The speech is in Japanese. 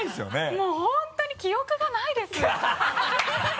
もう本当に記憶がないですハハハ